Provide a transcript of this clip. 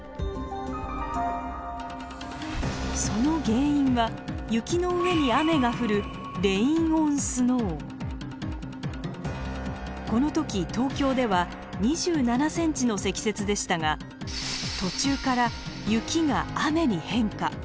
その原因は雪の上に雨が降るこの時東京では２７ｃｍの積雪でしたが途中から雪が雨に変化。